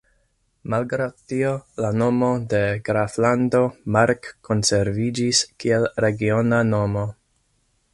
Malgraŭ tio la nomo de Graflando Mark konserviĝis kiel regiona nomo.